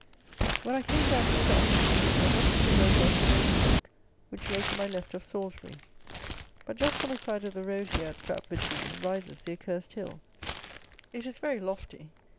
When I came down to Stratford Dean, I wanted to go across to Laverstoke, which lay to my left of Salisbury; but just on the side of the road here, at Stratford Dean, rises the Accursed Hill. It is very lofty.